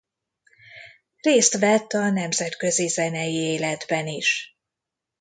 Részt vett a nemzetközi zenei életben is.